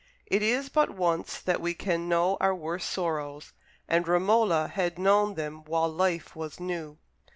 It is but once that we can know our worst sorrows, and Romola had known them while life was new.